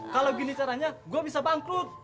kalau gini caranya gue bisa bangkrut